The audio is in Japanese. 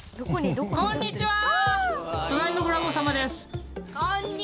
こんにちはー！